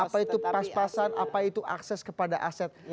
apa itu pas pasan apa itu akses kepada aset